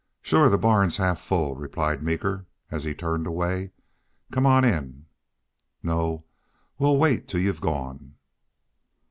"Shore. The barn's half full," replied Meeker, as he turned away. "Come on in." "No. We'll wait till you've gone."